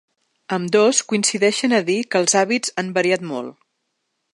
Ambdós coincideixen a dir que els hàbits han variat molt.